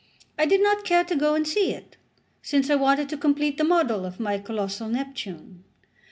I did not care to go and see it, since I wanted to complete the model of my colossal Neptune.